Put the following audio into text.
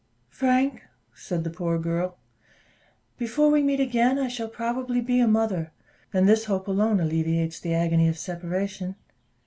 "Frank," said the poor girl, "before we meet again, I shall probably be a mother; and this hope alone alleviates the agony of separation.